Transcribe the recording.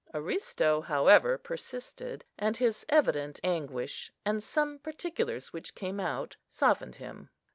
Aristo, however, persisted; and his evident anguish, and some particulars which came out, softened him.